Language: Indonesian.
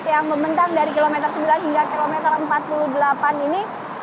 yang membentang dari kilometer sembilan hingga kilometer empat puluh delapan ini